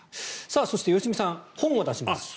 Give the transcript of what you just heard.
そして、良純さん本を出します。